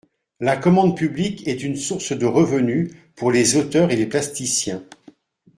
La commande publique est une source de revenus pour les auteurs et les plasticiens.